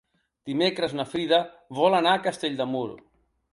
Dimecres na Frida vol anar a Castell de Mur.